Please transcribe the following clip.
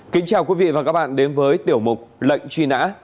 kính chào quý vị và các bạn đến với tiểu mục lệnh truy nã